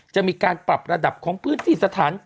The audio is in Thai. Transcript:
จะมีการปรับระดับของพื้นที่สถาน